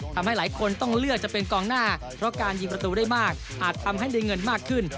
ทำให้หลายคนต้องเลือกจะเป็นกองหน้าเพราะการยิงประตูได้มากอาจทำให้ได้เงินมากขึ้น